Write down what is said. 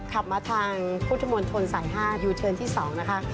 ขับมาทางพุทธมนตรสาย๕ยูเทิร์นที่๒นะคะ